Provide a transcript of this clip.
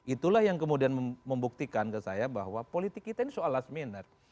itulah yang kemudian membuktikan ke saya bahwa politik kita ini soal last minute